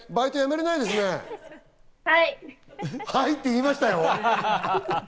「はい」って言いましたよ。